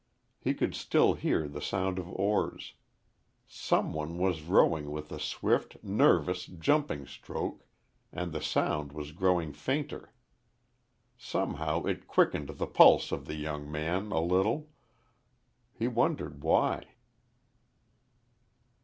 He could still hear the sound of oars. Some one was rowing with a swift, nervous, jumping stroke, and the sound was growing fainter. Somehow it quickened the pulse of the young, man a little he wondered why.